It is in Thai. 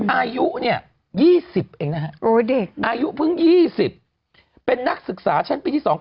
อายุเนี่ย๒๐เองนะฮะอายุเพิ่ง๒๐เป็นนักศึกษาชั้นปีที่๒๙